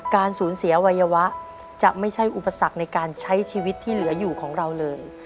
การสูญเสียวัยวะจะไม่ใช่อุปสรรคในการใช้ชีวิตที่เหลืออยู่ของเราเลย